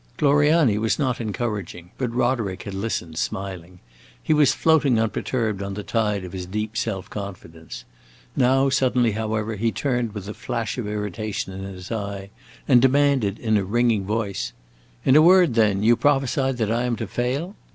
Gloriani was not encouraging, but Roderick had listened smiling. He was floating unperturbed on the tide of his deep self confidence. Now, suddenly, however, he turned with a flash of irritation in his eye, and demanded in a ringing voice, "In a word, then, you prophesy that I am to fail?"